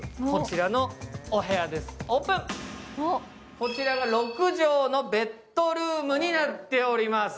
こちらが６畳のベッドルームになっております。